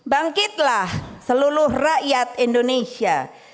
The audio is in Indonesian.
bangkitlah seluruh rakyat indonesia